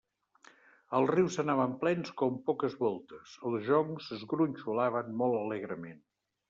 Els rius anaven plens com poques voltes; els joncs es gronxolaven molt alegrement.